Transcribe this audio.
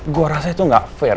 gue rasa itu gak fair